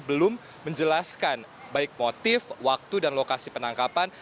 belum menjelaskan baik motif waktu dan lokasi penangkapan